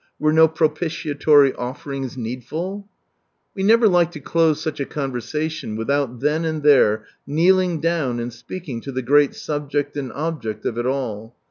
Were no propitiatory offerings needful ? We never like to close such a conversation without then and there kneeling down and speaking to the great Subject and Object of it all.